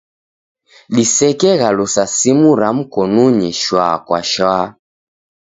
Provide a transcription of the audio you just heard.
Disekeghalusa simu ra mkonunyi shwa kwa shwa.